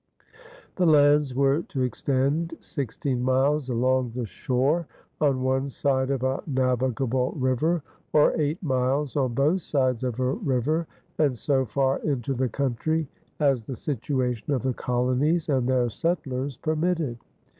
The lands were to extend sixteen miles along the shore on one side of a navigable river, or eight miles on both sides of a river, and so far into the country as the situation of the colonies and their settlers permitted.